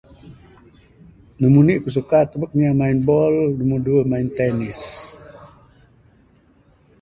Numbo indi aku'k suka tubuk inya main bol, numbo duwuh main tenis.